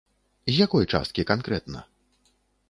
З якой часткі канкрэтна?